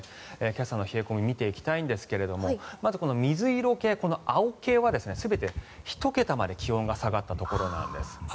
今朝の冷え込みを見ていきたいんですがまずこの水色系、青系は全て１桁まで気温が下がったところなんです。